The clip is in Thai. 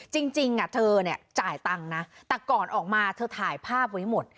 จริงเธอเนี่ยจ่ายตังค์นะแต่ก่อนออกมาเธอถ่ายภาพไว้หมด